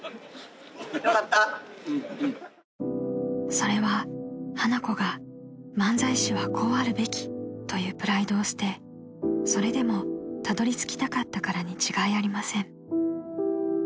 ［それは花子が「漫才師はこうあるべき」というプライドを捨てそれでもたどりつきたかったからに違いありません］